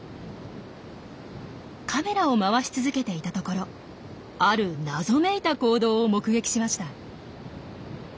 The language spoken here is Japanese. カメラを回し続けていたところある謎めいた行動を目撃しました。